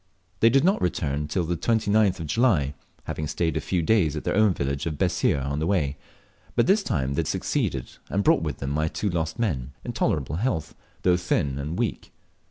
They did not return again till the 29th of July, having stayed a few days at their own village of Bessir on the way; but this time they had succeeded and brought with them my two lost men, in tolerable health, though thin and weak.